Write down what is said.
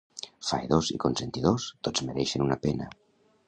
Faedors i consentidors, tots mereixen una pena.